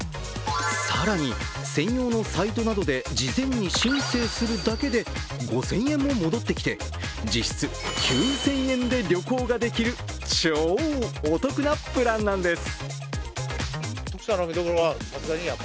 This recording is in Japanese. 更に専用のサイトなどで事前に申請するだけで５０００円も戻ってきて、実質９０００円で旅行ができる超お得なプランなんです。